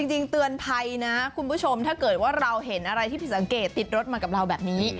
จริงเตือนภัยนะคุณผู้ชมถ้าเกิดว่าเราเห็นอะไรที่ผิดสังเกตติดรถมากับเราแบบนี้